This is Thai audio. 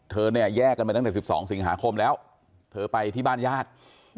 เนี่ยแยกกันไปตั้งแต่๑๒สิงหาคมแล้วเธอไปที่บ้านญาติ